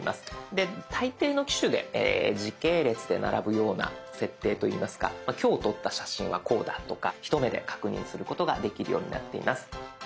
で大抵の機種で時系列で並ぶような設定といいますか今日撮った写真はこうだとか一目で確認することができるようになっています。